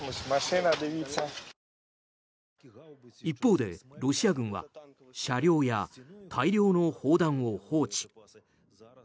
一方でロシア軍は車両や大量の砲弾を放置。